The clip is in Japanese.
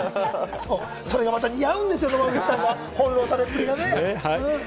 それがまた似合うんですよ、野間口さんが翻弄されて。